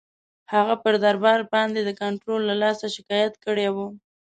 هغه پر دربار باندي د کنټرول له لاسه شکایت کړی وو.